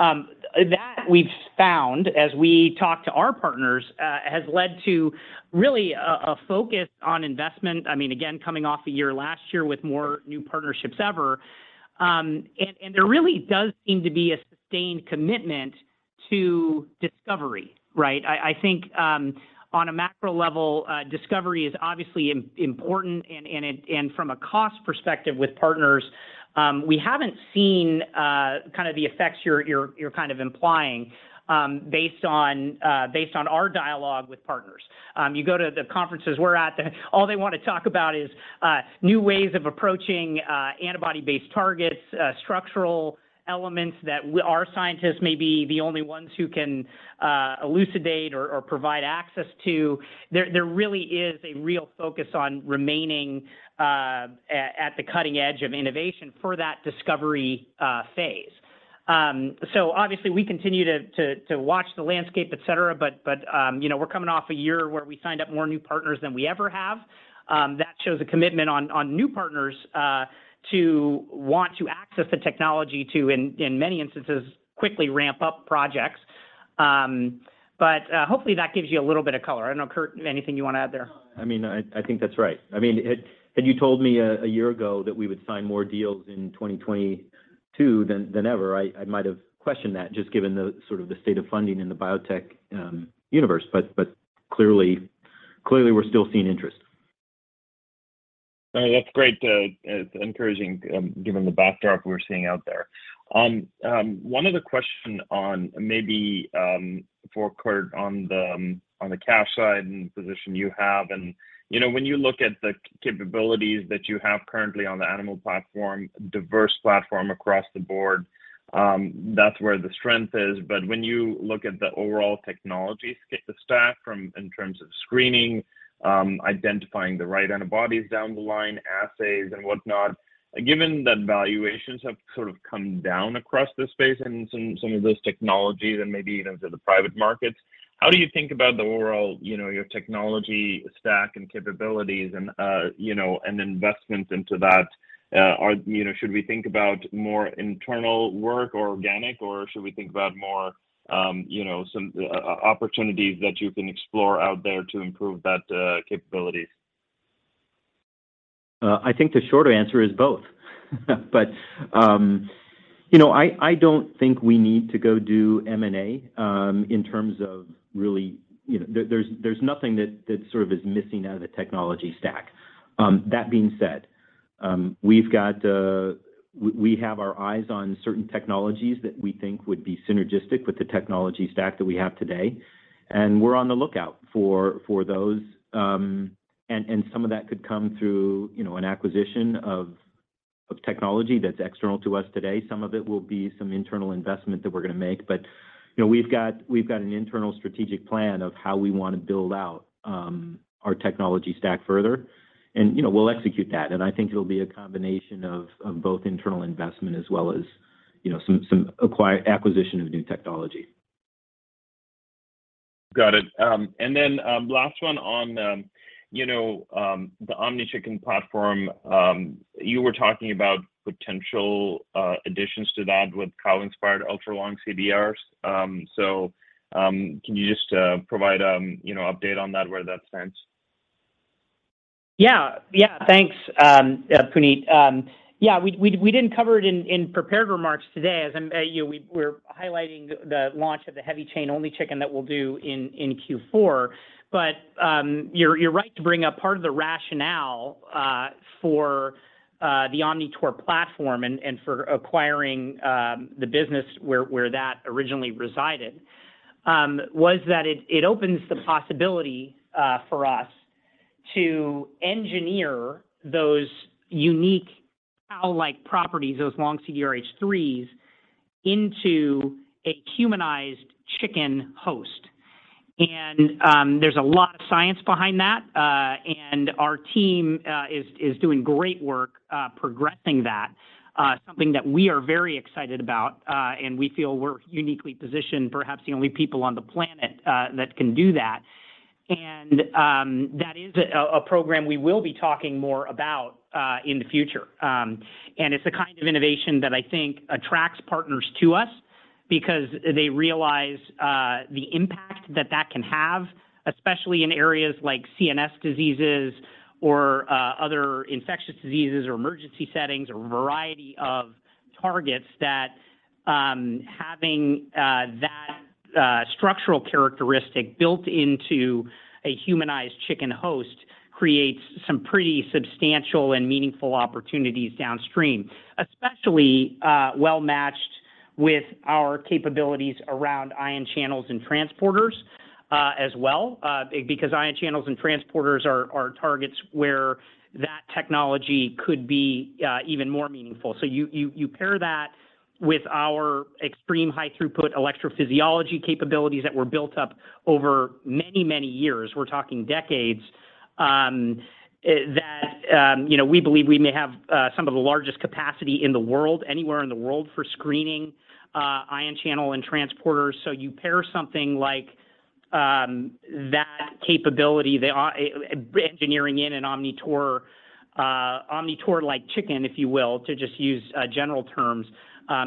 [SPEAKER 3] That we've found as we talk to our partners, has led to really a focus on investment. I mean, again, coming off a year last year with more new partnerships ever. There really does seem to be a sustained commitment to discovery, right? I think, on a macro level, discovery is obviously important and from a cost perspective with partners, we haven't seen kind of the effects you're implying, based on our dialogue with partners. You go to the conferences we're at, all they want to talk about is new ways of approaching antibody-based targets, structural elements that we, our scientists may be the only ones who can elucidate or provide access to. There really is a real focus on remaining at the cutting edge of innovation for that discovery phase. Obviously we continue to watch the landscape, et cetera, but, you know, we're coming off a year where we signed up more new partners than we ever have. That shows a commitment on new partners, to want to access the technology to, in many instances, quickly ramp up projects. Hopefully that gives you a little bit of color. I don't know, Kurt, anything you want to add there?
[SPEAKER 2] I mean, I think that's right. I mean, had you told me a year ago that we would sign more deals in 2022 than ever, I might have questioned that just given the sort of the state of funding in the biotech universe. Clearly we're still seeing interest.
[SPEAKER 9] That's great. It's encouraging, given the backdrop we're seeing out there. One other question on maybe for Kurt on the cash side and position you have and, you know, when you look at the capabilities that you have currently on the animal platform, diverse platform across the board, that's where the strength is. When you look at the overall technology stack from in terms of screening, identifying the right antibodies down the line, assays and whatnot, given that valuations have sort of come down across the space and some of those technologies and maybe even to the private markets, how do you think about the overall, you know, your technology stack and capabilities and, you know, and investments into that? You know, should we think about more internal work or organic or should we think about more, you know, some opportunities that you can explore out there to improve that, capabilities?
[SPEAKER 2] I think the short answer is both. You know, I don't think we need to go do M&A in terms of really, you know. There's nothing that sort of is missing out of the technology stack. That being said, we have our eyes on certain technologies that we think would be synergistic with the technology stack that we have today, and we're on the lookout for those. Some of that could come through, you know, an acquisition of technology that's external to us today. Some of it will be some internal investment that we're going to make. You know, we've got an internal strategic plan of how we want to build out our technology stack further and, you know, we'll execute that. I think it'll be a combination of both internal investment as well as, you know, some acquisition of new technology.
[SPEAKER 9] Got it. Last one on the OmniChicken platform. You were talking about potential additions to that with cow-inspired ultralong CDRs. Can you just provide an update on that where that stands?
[SPEAKER 3] Yeah. Yeah. Thanks, Puneet. Yeah, we didn't cover it in prepared remarks today as I'm, you know, we're highlighting the launch of the heavy chain only chicken that we'll do in Q4. You're right to bring up part of the rationale for the OmniTaur platform and for acquiring the business where that originally resided was that it opens the possibility for us to engineer those unique cow-like properties, those long CDR H3s into a humanized chicken host. And there's a lot of science behind that, and our team is doing great work progressing that, something that we are very excited about, and we feel we're uniquely positioned, perhaps the only people on the planet, that can do that. That is a program we will be talking more about in the future. It's the kind of innovation that I think attracts partners to us because they realize the impact that that can have, especially in areas like CNS diseases or other infectious diseases or emergency settings or a variety of targets that having that structural characteristic built into a humanized chicken host creates some pretty substantial and meaningful opportunities downstream, especially well-matched with our capabilities around ion channels and transporters as well because ion channels and transporters are targets where that technology could be even more meaningful. You pair that with our extreme high-throughput electrophysiology capabilities that were built up over many, many years, we're talking decades, you know, we believe we may have some of the largest capacity in the world, anywhere in the world for screening ion channel and transporters. You pair something like that capability, the engineering in an OmniTaur-like chicken, if you will, to just use general terms,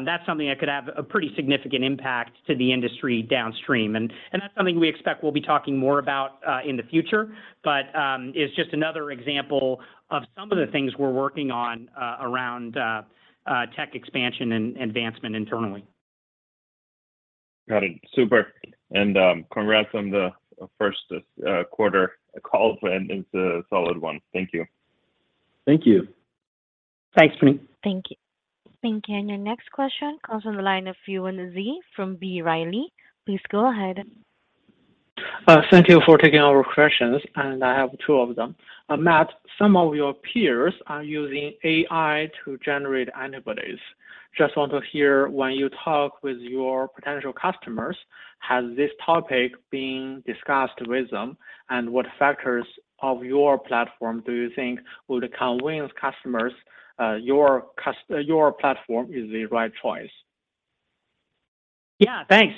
[SPEAKER 3] that's something that could have a pretty significant impact to the industry downstream. That's something we expect we'll be talking more about in the future, but is just another example of some of the things we're working on around tech expansion and advancement internally.
[SPEAKER 9] Got it. Super. Congrats on the first quarter call and it's a solid one. Thank you.
[SPEAKER 2] Thank you.
[SPEAKER 3] Thanks, Puneet. Thank you.
[SPEAKER 1] Thank you. Your next question comes from the line of Yuan Zhi. from B. Riley. Please go ahead.
[SPEAKER 10] Thank you for taking our questions. I have two of them. Matt, some of your peers are using AI to generate antibodies. Just want to hear when you talk with your potential customers, has this topic been discussed with them? What factors of your platform do you think would convince customers, your platform is the right choice?
[SPEAKER 3] Yeah, thanks.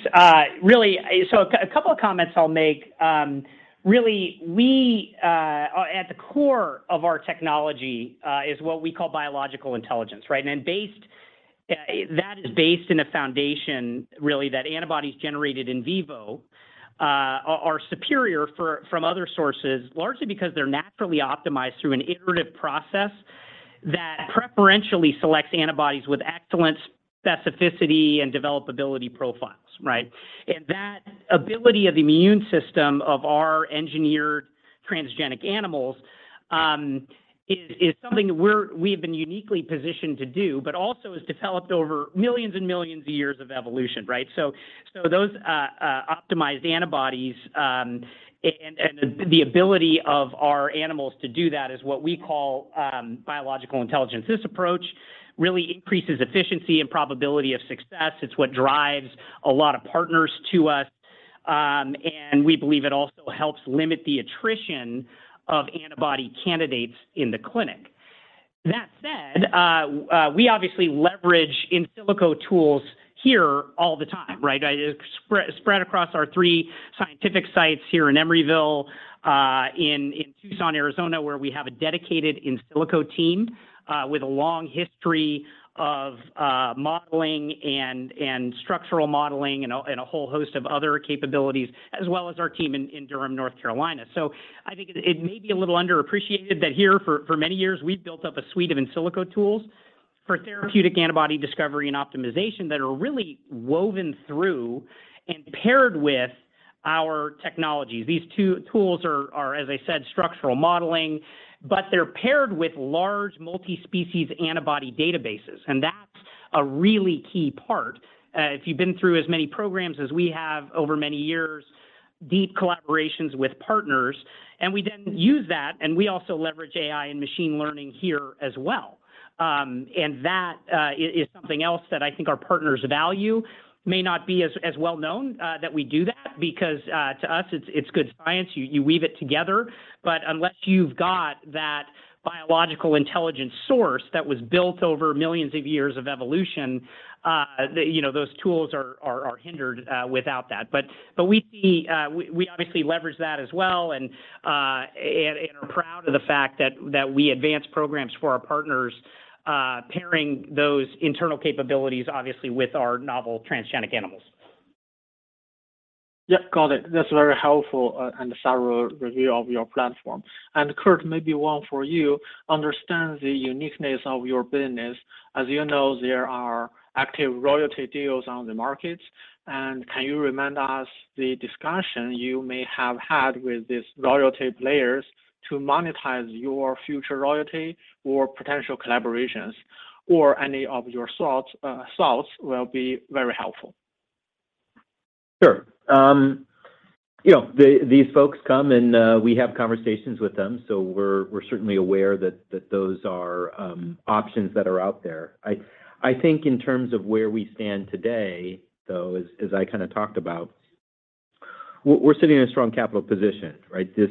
[SPEAKER 3] Really, so a couple of comments I'll make. Really we at the core of our technology is what we call biological intelligence, right? Based, that is based in a foundation really that antibodies generated in vivo are superior for from other sources, largely because they're naturally optimized through an iterative process that preferentially selects antibodies with excellent specificity and developability profiles, right? That ability of the immune system of our engineered transgenic animals is something we have been uniquely positioned to do, but also has developed over millions and millions of years of evolution, right? Those optimized antibodies and the ability of our animals to do that is what we call biological intelligence. This approach really increases efficiency and probability of success. It's what drives a lot of partners to us. We believe it also helps limit the attrition of antibody candidates in the clinic. That said, we obviously leverage in silico tools here all the time, right, spread across our three scientific sites here in Emeryville, in Tucson, Arizona, where we have a dedicated in silico team, with a long history of modeling and structural modeling and a whole host of other capabilities, as well as our team in Durham, North Carolina. I think it may be a little underappreciated that here for many years, we've built up a suite of in silico tools for therapeutic antibody discovery and optimization that are really woven through and paired with our technologies. These two tools are, as I said, structural modeling, but they're paired with large multi-species antibody databases, and that's a really key part. If you've been through as many programs as we have over many years, deep collaborations with partners, and we then use that, and we also leverage AI and machine learning here as well. That is something else that I think our partners value may not be as well known that we do that because to us it's good science. You weave it together, but unless you've got that biological intelligence source that was built over millions of years of evolution, you know, those tools are hindered without that. we see, we obviously leverage that as well and are proud of the fact that we advance programs for our partners, pairing those internal capabilities, obviously with our novel transgenic animals.
[SPEAKER 10] Yeah. Got it. That's very helpful, and thorough review of your platform. Kurt, maybe one for you. Understand the uniqueness of your business. As you know, there are active royalty deals on the market, and can you remind us the discussion you may have had with these royalty players to monetize your future royalty or potential collaborations, or any of your thoughts will be very helpful.
[SPEAKER 2] Sure. you know, these folks come and, we have conversations with them, so we're certainly aware that those are options that are out there. I think in terms of where we stand today, though, as I kind of talked about
[SPEAKER 3] We're sitting in a strong capital position, right? This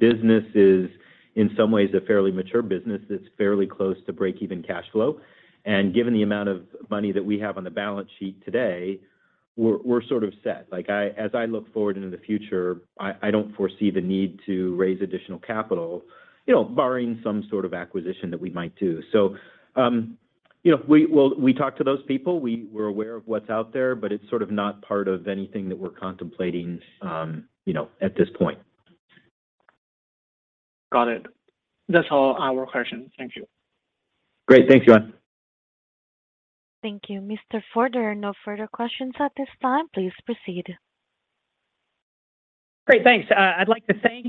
[SPEAKER 3] business is in some ways a fairly mature business that's fairly close to breakeven cash flow. Given the amount of money that we have on the balance sheet today, we're sort of set. As I look forward into the future, I don't foresee the need to raise additional capital, you know, barring some sort of acquisition that we might do. You know, we talk to those people. We're aware of what's out there, but it's sort of not part of anything that we're contemplating, you know, at this point.
[SPEAKER 10] Got it. That's all our questions. Thank you.
[SPEAKER 3] Great. Thanks, Yuan.
[SPEAKER 1] Thank you, Mr. Ford. There are no further questions at this time. Please proceed.
[SPEAKER 3] Great. Thanks. I'd like to thank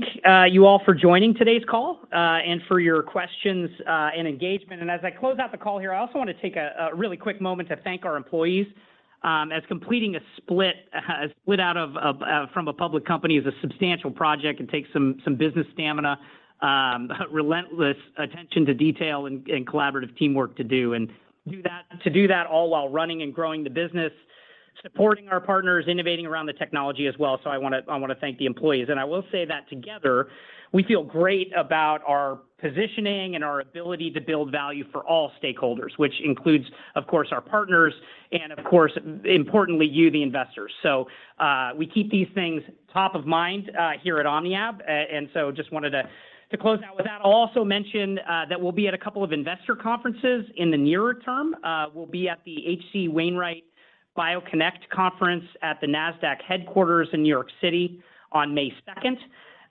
[SPEAKER 3] you all for joining today's call and for your questions and engagement. As I close out the call here, I also wanna take a really quick moment to thank our employees, as completing a split out of from a public company is a substantial project and takes some business stamina, relentless attention to detail and collaborative teamwork to do. To do that all while running and growing the business, supporting our partners, innovating around the technology as well. I wanna thank the employees. I will say that together, we feel great about our positioning and our ability to build value for all stakeholders, which includes, of course, our partners and of course, importantly, you, the investors. We keep these things top of mind here at OmniAb. Just wanted to close out with that. I'll also mention that we'll be at a couple of investor conferences in the nearer term. We'll be at the H.C. Wainwright BioConnect Investor Conference at the Nasdaq headquarters in New York City on May second.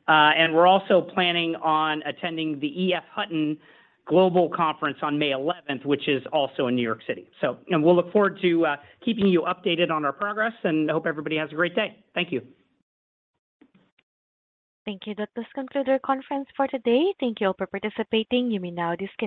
[SPEAKER 3] We're also planning on attending the EF Hutton Global Conference on May eleventh, which is also in New York City. We'll look forward to keeping you updated on our progress, and I hope everybody has a great day. Thank you.
[SPEAKER 1] Thank you. That does conclude our conference for today. Thank you all for participating. You may now disconnect.